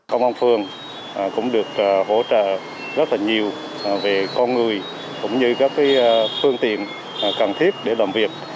công an phường cũng được hỗ trợ rất là nhiều về con người cũng như các phương tiện cần thiết để làm việc